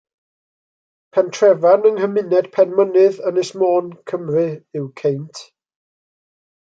Pentrefan yng nghymuned Penmynydd, Ynys Môn, Cymru yw Ceint.